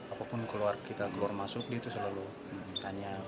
apapun keluar kita keluar masuk dia itu selalu tanya